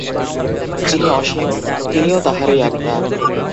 যিনি অসীম, তিনিও তাহারই আত্মা।